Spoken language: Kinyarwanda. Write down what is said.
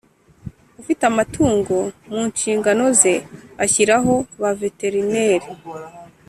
ufita amatungo mu nshingano ze ashyiraho ba veteriner